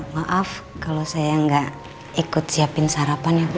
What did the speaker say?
maaf kalau saya nggak ikut siapin sarapan ya bu